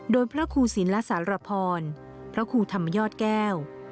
โดยพระครูศิลป์และสารพรพระครูธรรมยอดแก้ว